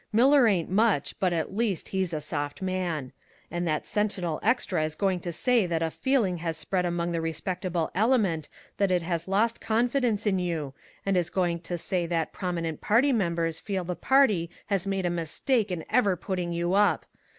Miller ain't much, but, at least, he's a soft man. And that Sentinel extra is going to say that a feeling has spread among the respectable element that it has lost confidence in you, and is going to say that prominent party members feel the party has made a mistake in ever putting you up.